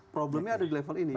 problemnya ada di level ini